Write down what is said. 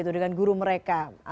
dengan guru mereka